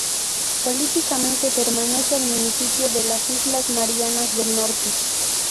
Políticamente pertenece al Municipio de las islas Marianas del Norte.